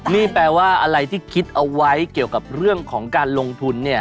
นี่แปลว่าอะไรที่คิดเอาไว้เกี่ยวกับเรื่องของการลงทุนเนี่ย